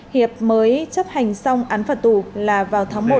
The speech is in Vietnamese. hiệp mới chấp hành xong án phạt tù là vào tháng một năm hai nghìn hai mươi một